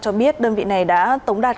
cho biết đơn vị này đã tống đạt